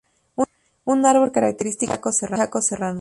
Un árbol característico del Chaco serrano.